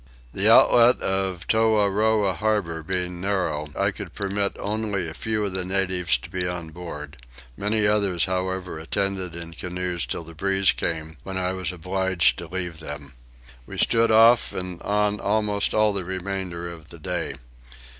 The outlet of Toahroah harbour being narrow I could permit only a few of the natives to be on board: many others however attended in canoes till the breeze came, when I was obliged to leave them. We stood off and on almost all the remainder of the day.